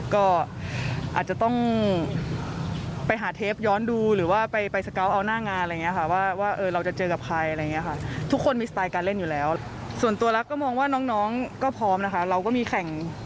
ขึ้นมาเรื่อยทุกปีอยู่แล้วอะไรอย่างนี้ค่ะ